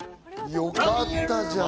よかったじゃん。